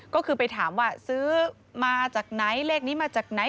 ก็คือไปถามว่าซื้อมาจากไหนเลขนี้มาจากไหน